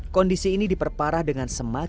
kondisi ini diperparah dengan semakin banyak